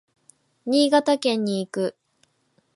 新潟県に行く。